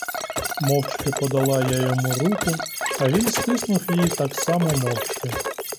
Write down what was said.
Мовчки подала я йому руку, а він стиснув її так само мовчки.